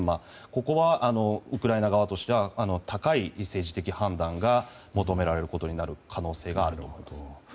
ここはウクライナ側としては高い政治的判断が求められることになる可能性があります。